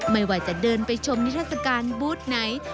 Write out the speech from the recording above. ไม่ว่าจะเดินไปชมนิทัศกาลบูธไหน